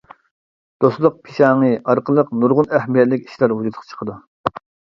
دوستلۇق پىشاڭى ئارقىلىق نۇرغۇن ئەھمىيەتلىك ئىشلار ۋۇجۇدقا چىقىدۇ.